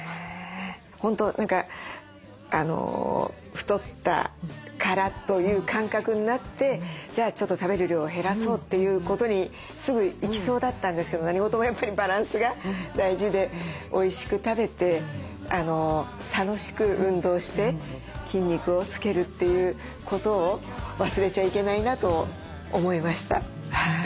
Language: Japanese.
本当太ったからという感覚になってじゃあちょっと食べる量を減らそうということにすぐ行きそうだったんですけど何事もやっぱりバランスが大事でおいしく食べて楽しく運動して筋肉をつけるということを忘れちゃいけないなと思いました。